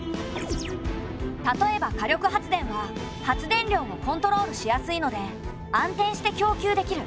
例えば火力発電は発電量をコントロールしやすいので安定して供給できる。